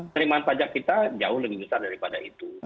terimaan pajak kita jauh lebih besar daripada itu